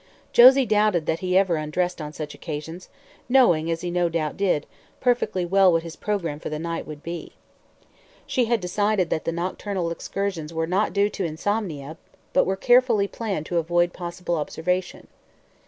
Josie doubted that he ever undressed on such occasions, knowing, as he no doubt did, perfectly well what his program for the night would be. She had decided that the nocturnal excursions were not due to insomnia but were carefully planned to avoid possible observation.